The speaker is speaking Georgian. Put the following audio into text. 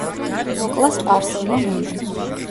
მოკლა სპარსელმა მონამ.